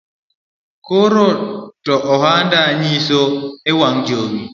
Koro to ohanda inyiso ewang’ jowi